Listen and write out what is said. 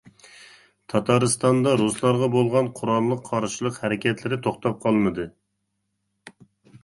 تاتارىستاندا رۇسلارغا بولغان قوراللىق قارشىلىق ھەرىكەتلىرى توختاپ قالمىدى.